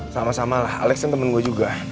sama sama lah alex yang temen gue juga